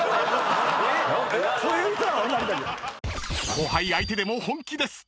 ［後輩相手でも本気です］